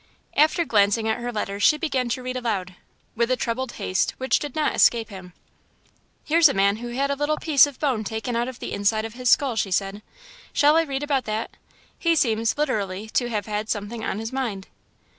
After glancing at her letters she began to read aloud, with a troubled haste which did not escape him. "Here's a man who had a little piece of bone taken out of the inside of his skull," she said. "Shall I read about that? He seems, literally, to have had something on his mind."